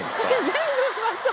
全部「うまそう」って。